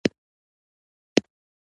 زه د ژبونو زدهکړه خوښوم.